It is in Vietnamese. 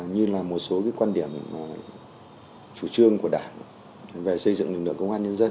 như là một số quan điểm chủ trương của đảng về xây dựng lực lượng công an nhân dân